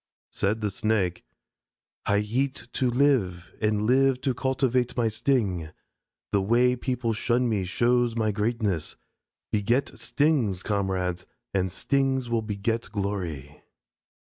Said the Snake: "I eat to live, and live to cultivate my sting. The way people shun me shows my greatness. Beget stings, comrades, and stings will beget glory."